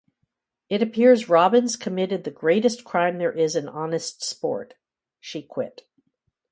It appears Robbins committed the greatest crime there is in honest sport: she quit.